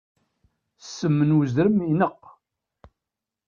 Ssem n uzrem ineqq.